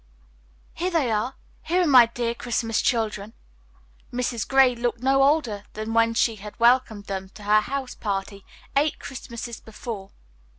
"Here they are! Here are my dear Christmas children!" Mrs. Gray looked no older than when she had welcomed them to her house party eight Christmases before.